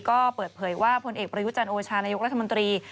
ก็เปิดเผยว่าพลเอกประยุจันทร์โอชานายกรัฐมนตรี